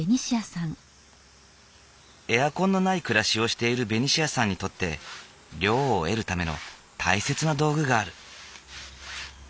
エアコンのない暮らしをしているベニシアさんにとって涼を得るための大切な道具がある。